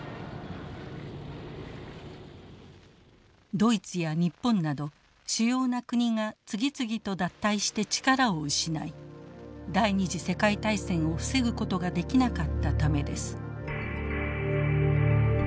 ドイツや日本など主要な国が次々と脱退して力を失い第２次世界大戦を防ぐことができなかったためです。